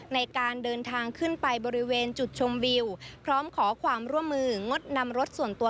ในการเดินทางขึ้นไปบริเวณจุดชมวิวพร้อมขอความร่วมมืองดนำรถส่วนตัว